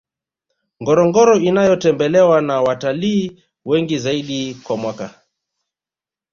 ngorongoro inayotembelewa na watalii wengi zaidi kwa mwaka